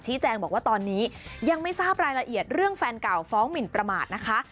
แจ้งบอกว่าตอนนี้ยังไม่ทราบรายละเอียดเรื่องแฟนเก่าฟ้องหมินประมาทนะคะ